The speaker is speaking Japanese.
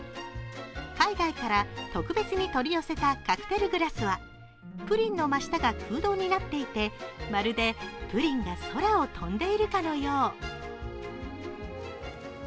海外から特別に取り寄せたカクテルグラスはプリンの真下が空洞になっていてまるでプリンが空を飛んでいるかのよう。